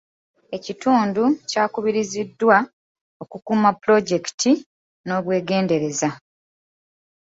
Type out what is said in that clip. Ekitundu kyakubiriziddwa okukuuma pulojekiti n'obwegendereza.